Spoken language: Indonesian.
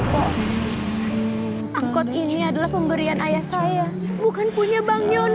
kok angkot ini adalah pemberian ayah saya bukan punya bang yona